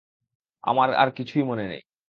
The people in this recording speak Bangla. আমার আর কিছুই মনে নেই।